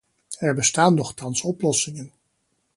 Er bestaan nochtans oplossingen.